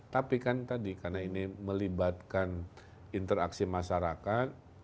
tapi kan tadi karena ini melibatkan interaksi masyarakat